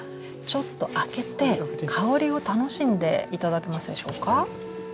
ちょっと開けて香りを楽しんで頂けますでしょうか。